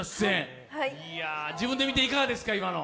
自分で見ていかがですか、今の。